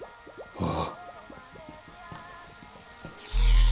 ああ。